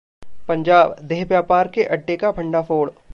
पंजाबः देह व्यापार के अड्डे का भंडाफोड